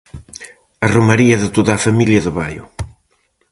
A romaría de toda a familia de Baio.